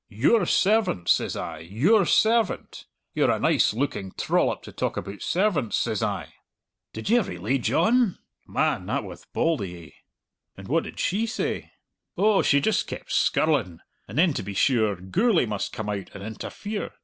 'Your servant!' says I 'your servant! You're a nice looking trollop to talk aboot servants,' says I." "Did ye really, John?" "Man, that wath bauld o' ye." "And what did she say?" "Oh, she just kept skirling! And then, to be sure, Gourlay must come out and interfere!